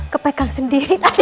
kepegang sendiri tadi